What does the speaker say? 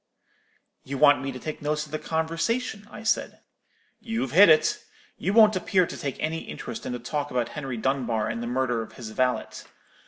"'You want me to take notes of the conversation,' I said. "'You've hit it. You won't appear to take any interest in the talk about Henry Dunbar and the murder of his valet.